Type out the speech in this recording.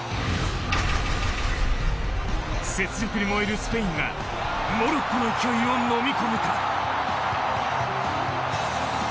雪辱に燃えるスペインがモロッコの勢いを飲み込むか。